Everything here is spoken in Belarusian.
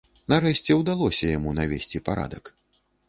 Нарэшце ўдалося яму навесці парадак.